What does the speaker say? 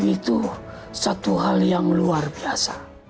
itu satu hal yang luar biasa